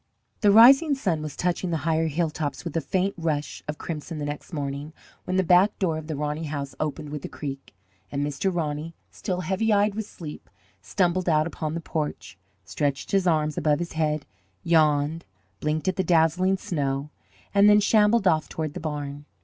The rising sun was touching the higher hilltops with a faint rush of crimson the next morning when the back door of the Roney house opened with a creak, and Mr. Roney, still heavy eyed with sleep, stumbled out upon the porch, stretched his arms above his head, yawned, blinked at the dazzling snow, and then shambled off toward the barn.